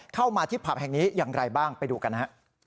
เข้ามาที่ผับแห่งนี้อย่างไรบ้างไปดูกันนะฮะ